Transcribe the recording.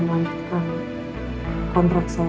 melanjutkan kontrak saya